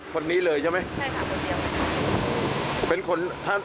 คนนี้เลยใช่ไหม